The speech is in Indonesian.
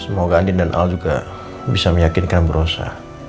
semoga andien dan al juga bisa meyakinkan berosa